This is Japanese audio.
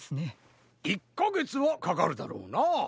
１かげつはかかるだろうなあ。